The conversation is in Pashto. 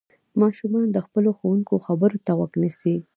ماشومان د خپلو ښوونکو خبرو ته غوږ نيسي.